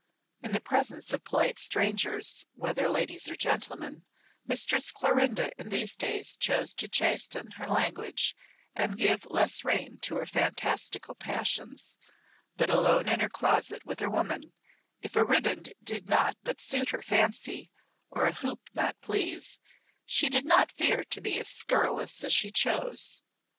In the presence of polite strangers, whether ladies or gentlemen, Mistress Clorinda in these days chose to chasten her language and give less rein to her fantastical passions, but alone in her closet with her woman, if a riband did but not suit her fancy, or a hoop not please, she did not fear to be as scurrilous as she chose.